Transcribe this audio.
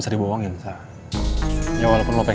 sa kena takut ya lo